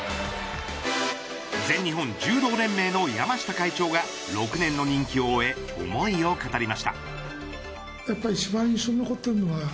全日本柔道連盟の山下会長が６年の任期を終え思いを語りました。